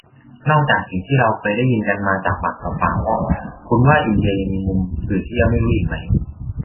นอกจากสิ่งที่เราเคยได้ยินกันมาจากปากต่อปาก คุณว่า อินเดีย ยังมีมุมอื่นที่ยังไม่รู้อีกไหม ?